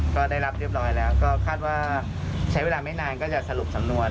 ก็ได้รับเรียบร้อยแล้วก็คาดว่าใช้เวลาไม่นานก็จะสรุปสำนวน